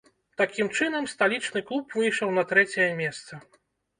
Такім чынам, сталічны клуб выйшаў на трэцяе месца.